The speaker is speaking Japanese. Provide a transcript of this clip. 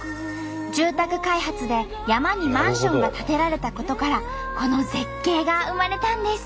住宅開発で山にマンションが建てられたことからこの絶景が生まれたんです。